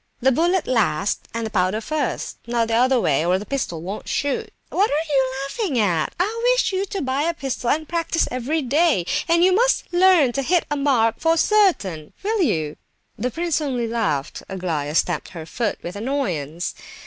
The bullet last and the powder first, not the other way, or the pistol won't shoot. What are you laughing at? I wish you to buy a pistol and practise every day, and you must learn to hit a mark for certain; will you?" The prince only laughed. Aglaya stamped her foot with annoyance.